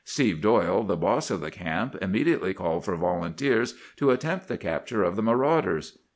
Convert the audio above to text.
Steve Doyle, the boss of the camp, immediately called for volunteers to attempt the capture of the marauders.